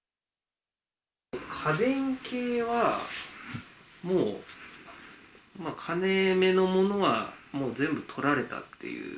家電系は、もう金めの物はもう全部とられたっていう。